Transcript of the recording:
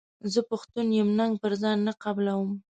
زه پښتون یم ننګ پر ځان نه قبلووم.